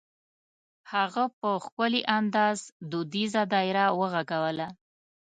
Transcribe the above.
هغه په ښکلي انداز دودیزه دایره وغږوله.